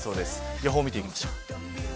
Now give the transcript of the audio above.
予報を見ていきましょう。